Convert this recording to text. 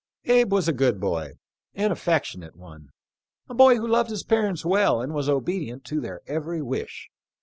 ]:*" Abe was a good boy — an affectionate one — a boy who loved his parents well and was obedient to their every wish.